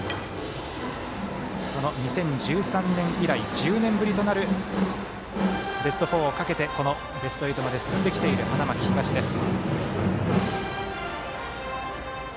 ２０１３年以来１０年ぶりとなるベスト４をかけてこのベスト８まで進んできている花巻東です。